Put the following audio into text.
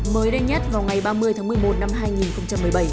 mới đây nhất vào ngày ba mươi tháng một mươi một năm hai nghìn một mươi bảy